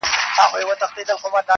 • شرنګېدلي د سِتار خوږې نغمې سه..